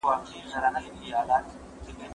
زه کولای سم کار وکړم!؟